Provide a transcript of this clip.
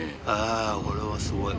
これはすごい。